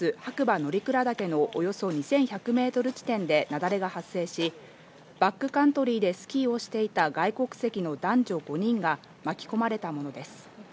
乗鞍岳のおよそ２１００メートル地点で雪崩が発生し、バックカントリーでスキーをしていた外国籍の男女５人が巻き込まれたものです。